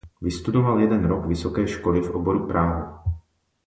Vystudoval jeden rok vysoké školy v oboru právo.